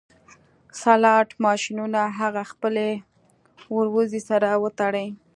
سلاټ ماشینونه هغه خپلې وروځې سره وتړلې